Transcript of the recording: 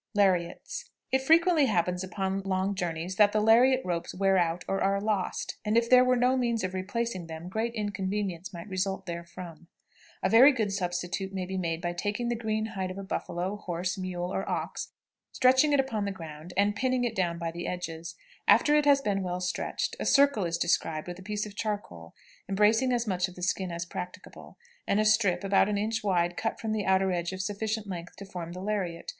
LARIATS. It frequently happens upon long journeys that the lariat ropes wear out or are lost, and if there were no means of replacing them great inconvenience might result therefrom. A very good substitute may be made by taking the green hide of a buffalo, horse, mule, or ox, stretching it upon the ground, and pinning it down by the edges. After it has been well stretched, a circle is described with a piece of charcoal, embracing as much of the skin as practicable, and a strip about an inch wide cut from the outer edge of sufficient length to form the lariat.